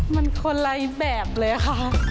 มันคนละแบบเลยค่ะ